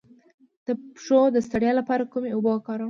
د پښو د ستړیا لپاره کومې اوبه وکاروم؟